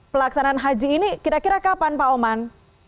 pelaksanaan haji ini kira kira kapan pak oman